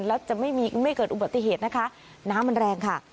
แล้วจะไม่เกิดอุบัติเหตุนะคะน้ำมันแรงค่ะ